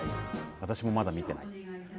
私もまだ見てない。